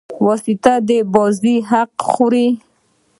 واسطه بازي حق خوري.